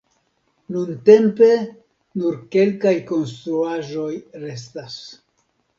Nuntempe nur kelkaj konstruaĵoj restas.